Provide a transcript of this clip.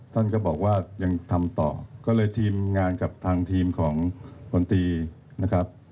ท่านก็บอกว่ายังทำต่อก็เลยทีมงานกับทางทีมของมนตรีนะครับ